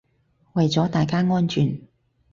為咗大家安全